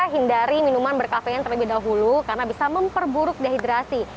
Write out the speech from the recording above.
hindari minuman berkafein terlebih dahulu karena bisa memperburuk dehidrasi